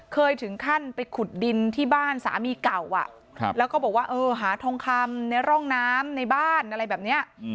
เคยถึงขั้นไปขุดดินที่บ้านสามีเก่าแล้วก็บอกว่าเออหาทองคำในร่องน้ำในบ้านอะไรแบบนี้